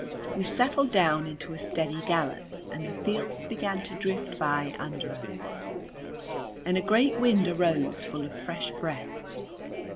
We settled down into a steady gallop and the fields began to drift by under us, and a great wind arose full of fresh breath.